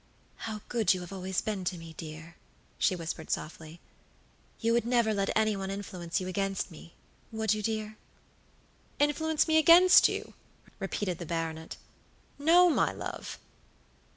"How good you have always been to me, dear," she whispered softly. "You would never let any one influence you against me, would you, dear?" "Influence me against you?" repeated the baronet. "No, my love."